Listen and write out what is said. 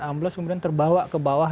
ambles kemudian terbawa ke bawah